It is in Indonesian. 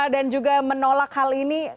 dan juga menolak hal ini